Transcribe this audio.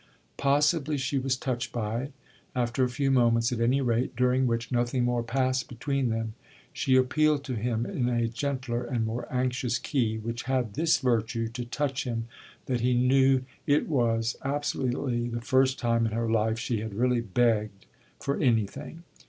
Possibly she was touched by it; after a few moments, at any rate, during which nothing more passed between them, she appealed to him in a gentler and more anxious key, which had this virtue to touch him that he knew it was absolutely the first time in her life she had really begged for anything.